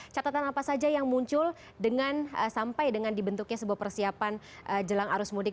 catatan apa saja yang muncul sampai dengan dibentuknya sebuah persiapan jelang arus mudik